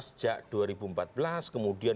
sejak dua ribu empat belas kemudian